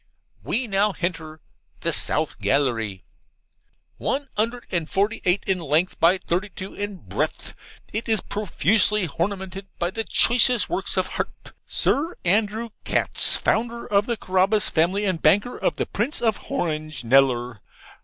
We now henter THE SOUTH GALLERY. 'One 'undred and forty eight in lenth by thirty two in breath; it is profusely hornaminted by the choicest works of Hart. Sir Andrew Katz, founder of the Carabas family and banker of the Prince of Horange, Kneller.